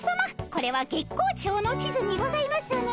これは月光町の地図にございますね？